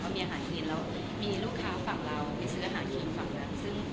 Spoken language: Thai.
มีอาหารครีมแล้วมีลูกค้าฝั่งเราไปซื้ออาหารครีมฝั่งเรา